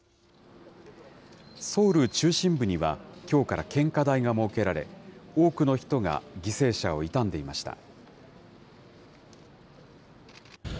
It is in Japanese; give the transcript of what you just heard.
ソウル中心部には、きょうから献花台が設けられ、多くの人が犠牲者を悼んでいました。